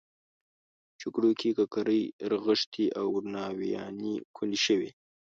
په جګړو کې ککرۍ رغښتې او ناویانې کونډې شوې.